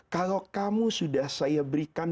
kalau kamu sudah saya berikan